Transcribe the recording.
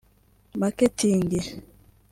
marketing